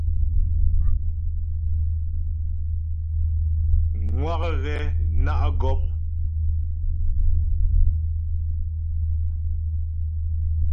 Ŋwa' ghɛ ná' gɔ́p.